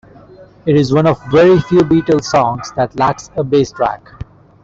It is one of very few Beatles songs that lacks a bass track.